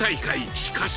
しかし。